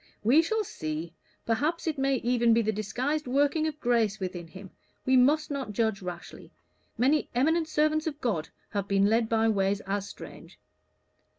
"We shall see. Perhaps it may even be the disguised working of grace within him. We must not judge rashly. Many eminent servants of God have been led by ways as strange."